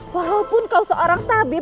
walaupun kau seorang tabib